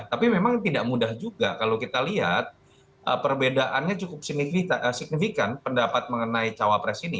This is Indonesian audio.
tapi memang tidak mudah juga kalau kita lihat perbedaannya cukup signifikan pendapat mengenai cawapres ini